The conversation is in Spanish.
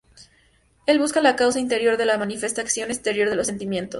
Él busca la causa interior de la manifestación exterior de los sentimientos.